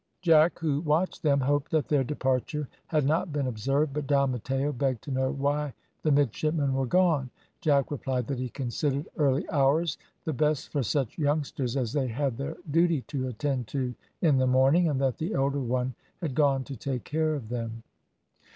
Jack, who watched them, hoped that their departure had not been observed, but Don Matteo begged to know why the midshipmen were gone. Jack replied that he considered early hours the best for such youngsters, as they had their duty to attend to in the morning, and that the elder one had gone to take care of them.